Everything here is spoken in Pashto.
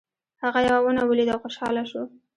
هغه یوه ونه ولیده او خوشحاله شو.